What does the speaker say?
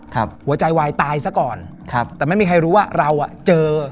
หัวใจวายตายซะก่อนครับแต่ไม่มีใครรู้ว่าเราอ่ะเจอ